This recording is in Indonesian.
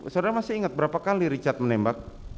saudara masih ingat berapa kali richard menembak